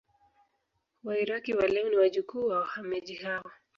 Wairaki wa leo ni wajukuu wa wahamiaji hao